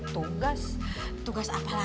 tugas tugas apalah